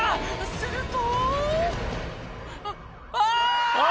するとああ！